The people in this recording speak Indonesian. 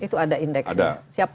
itu ada indeksnya